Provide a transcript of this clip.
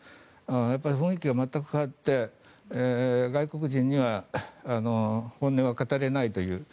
雰囲気が全く変わって外国人には本音は語れないという。